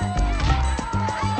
ini kasih kos itu